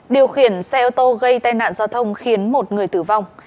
điều khiển xe ô tô gây tai nạn giao thông khiến một người tử vong